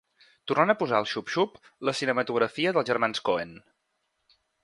Tornant a posar al xup xup la cinematografia dels germans Coen.